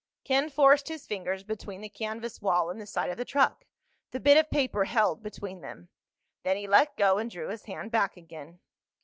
Ken forced his fingers between the canvas wall and the side of the truck, the bit of paper held between them. Then he let go and drew his hand back again.